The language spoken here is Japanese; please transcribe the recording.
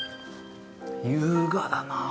優雅だな。